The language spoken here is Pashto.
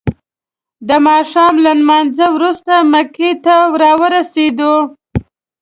د ماښام له لمانځه وروسته مکې ته راورسیدو.